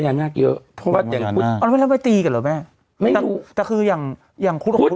อย่างนาคเยอะเพราะว่าเด็กคุดเอาไว้ตีกันหรอแม่ไม่รู้แต่คือย่างคุด